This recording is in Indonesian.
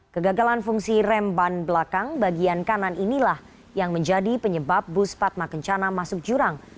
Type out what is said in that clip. kegagalan fungsi rem ban belakang bagian kanan inilah yang menjadi penyebab bus padma kencana masuk jurang